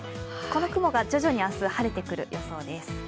この雲が徐々に明日、晴れてくる予報です。